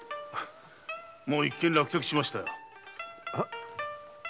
もう一件落着しましたよ。